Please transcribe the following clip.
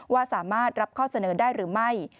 ว่าสามารถรับข้อเสนอได้หรือไม่